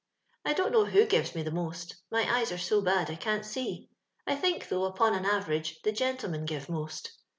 " I don't know who gives me the most ; my eyes are so bad I can't see. I think, though, upon an average, the gentlemen give most.